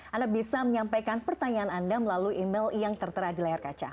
anda bisa menyampaikan pertanyaan anda melalui email yang tertera di layar kaca